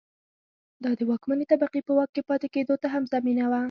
دا د واکمنې طبقې په واک کې پاتې کېدو ته هم زمینه وه.